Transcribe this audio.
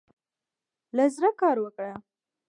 له زړۀ کار وکړه.